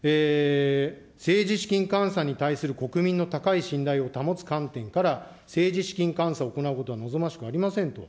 政治資金監査に対する国民の高い信頼を保つ観点から、政治資金監査を行うことは望ましくありませんと。